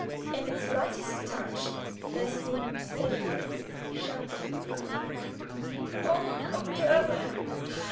In its lightest touch there seemed safety, shelter, comfort. "Oh, how glad I am!